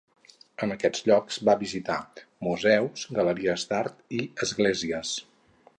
En aquests llocs va visitar museus, galeries d'art i esglésies.